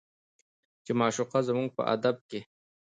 چې معشوقه زموږ په ادب کې